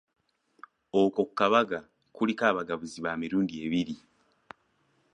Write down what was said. Okwo ku kabaga kuliko abagabuzi ba mirundi ebiri.